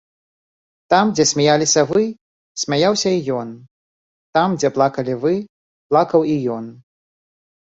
Там, дзе смяяліся вы, смяяўся і ён, там, дзе плакалі вы, плакаў і ён.